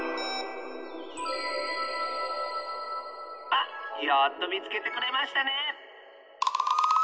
あっやっとみつけてくれましたね！